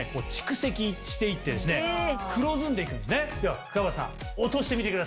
ではくわばたさん落としてみてください。